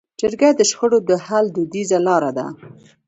جرګه د شخړو د حل دودیزه لاره ده.